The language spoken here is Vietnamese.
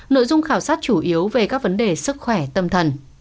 nội dung khảo sát chủ yếu về các vấn đề sức khỏe tâm thần